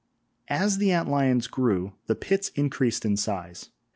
As the ant lions grew, the pits increased in size.